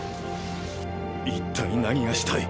一体何がしたい？